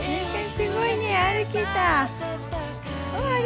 すごいね、歩けた。